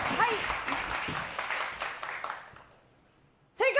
正解！